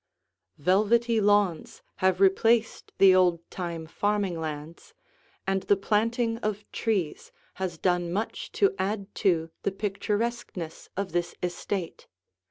Velvety lawns have replaced the old time farming lands, and the planting of trees has done much to add to the picturesqueness of this estate.